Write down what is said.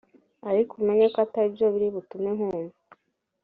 Ariko umenye ko atari byo biri butume nkumva